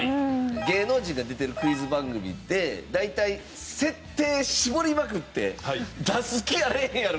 芸能人が出てるクイズ番組って大体設定絞りまくって出す気あれへんやろ！